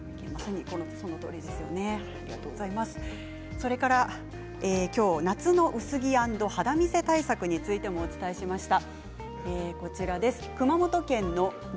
それからきょうは夏の薄着アンド肌見せ対策についてもお伝えしました。